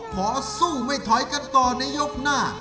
ขอสู้ไม่ถอยกันต่อในยกหน้า